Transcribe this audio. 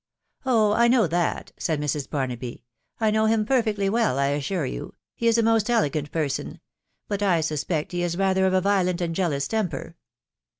iC Oh ! I know that," said Mrs. Barnaby. .•.'*' J know him perfectly well, I assure you .... he is a most elegant person ; but I suspect he is rather of a violent and jealous temper.